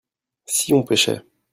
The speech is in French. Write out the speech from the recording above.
si on pêchait.